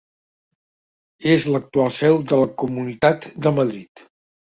És l'actual seu de la Comunitat de Madrid.